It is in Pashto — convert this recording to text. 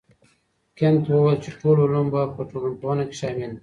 کنت وويل چي ټول علوم به په ټولنپوهنه کي شامل وي.